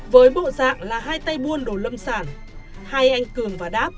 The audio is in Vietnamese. với bộ dạng là hai tay buôn đồ lâm sản hai anh cường và đáp